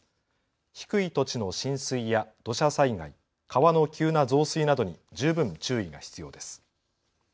低い土地の浸水や土砂災害、川の急な増水などに十分注意が必要です。